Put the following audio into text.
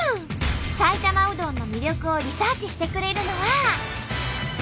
埼玉うどんの魅力をリサーチしてくれるのは。